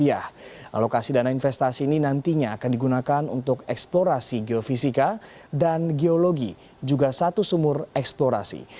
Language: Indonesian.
alokasi dana investasi ini nantinya akan digunakan untuk eksplorasi geofisika dan geologi juga satu sumur eksplorasi